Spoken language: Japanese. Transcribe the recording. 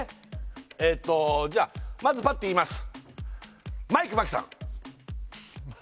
えっとじゃまずパッて言います